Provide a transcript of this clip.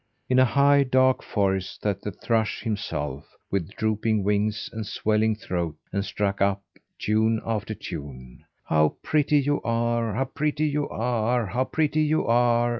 In a high, dark forest sat the thrush himself with drooping wings and swelling throat, and struck up tune after tune. "How pretty you are! How pretty you are! How pretty you are!"